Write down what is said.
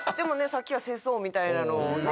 さっきは世相みたいなのをね